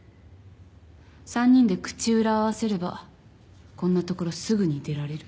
３人で口裏を合わせればこんな所すぐに出られる。